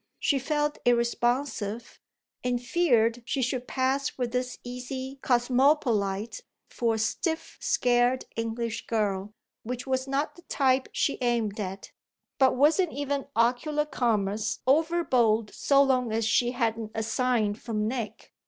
She felt irresponsive and feared she should pass with this easy cosmopolite for a stiff, scared, English girl, which was not the type she aimed at; but wasn't even ocular commerce overbold so long as she hadn't a sign from Nick?